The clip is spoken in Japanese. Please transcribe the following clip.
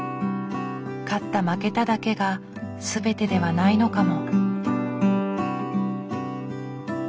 勝った負けただけが全てではないのかも。